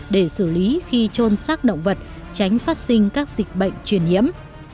để xử lý khi trôn xác động vật tránh phát sinh các dịch bệnh truyền nhiễm